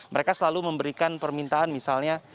mereka selalu memberikan permintaan misalnya